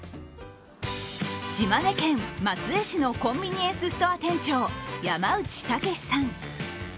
島根県松江市のコンビニエンスストア店長、山内剛さん。